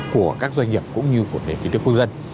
của các doanh nghiệp cũng như của nền kinh tế quốc dân